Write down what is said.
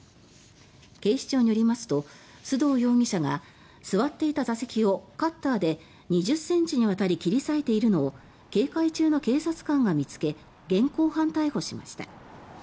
警視庁によりますと須藤容疑者が座っていた座席をカッターで２０ｃｍにわたり切り裂いているのを警戒中の警察官が見つけ現行犯逮捕しました。